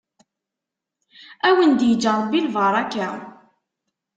Ad wen-d-yeǧǧ Ṛebbi lbaṛaka.